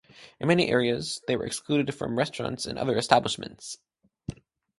In many areas they were excluded from restaurants and other establishments.